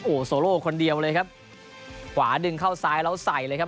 โอ้โหโซโล่คนเดียวเลยครับขวาดึงเข้าซ้ายแล้วใส่เลยครับ